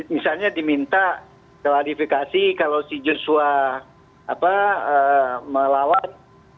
misalnya diminta klarifikasi kalau si joshua melawan